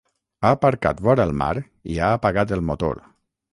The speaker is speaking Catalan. Ha aparcat vora el mar i ha apagat el motor.